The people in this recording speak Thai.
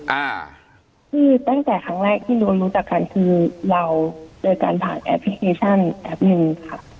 อ่าคือตั้งแต่ครั้งแรกที่รวมรู้จักกันคือเราเจอกันผ่านแอปพลิเคชันแอปหนึ่งค่ะ